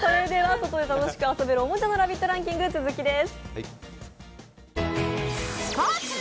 外で楽しく遊べるおもちゃのランキング、続きです。